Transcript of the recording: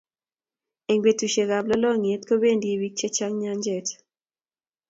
Eng betusiekab lolongyet kobendi bik chechang nyanjet